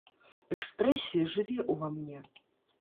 Экспрэсія жыве ўва мне.